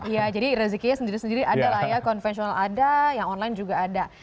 ya jadi rezekinya sendiri sendiri ada lah ya konvensional ada yang online juga ada